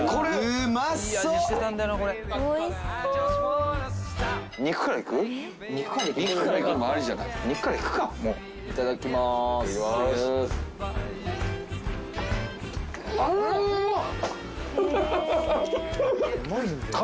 うまっ。